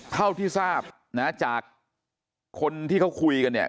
เท่าที่ทราบนะจากคนที่เขาคุยกันเนี่ย